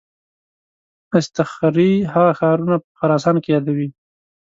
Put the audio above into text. اصطخري هغه ښارونه په خراسان کې یادوي.